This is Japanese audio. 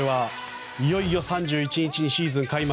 いよいよ３１日にシーズン開幕。